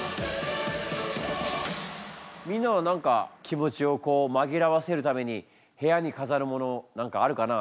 みんなは何か気持ちをまぎらわせるために部屋にかざるもの何かあるかな？